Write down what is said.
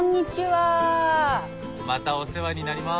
またお世話になります。